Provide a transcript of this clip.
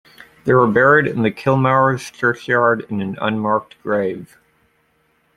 They were buried in the Kilmaurs churchyard in an unmarked grave.